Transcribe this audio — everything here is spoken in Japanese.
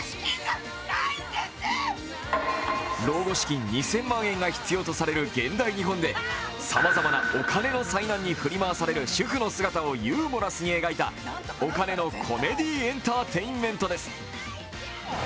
老後資金２０００万円が必要とされる現代日本でさまざまなお金の災難に振り回される主婦の姿をユーモラスに描いたお金のコメディーエンターテインメントです。